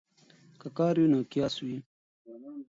که کار وي نو قیاس وي.